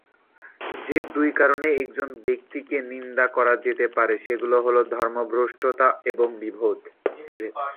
যে-দুটো কারণে একজন ব্যক্তিকে নিন্দা করা যেতে পারে, সেগুলো হল ধর্মভ্রষ্টতা এবং বিভেদ।